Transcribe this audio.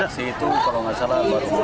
saksi itu kalau tidak salah baru empat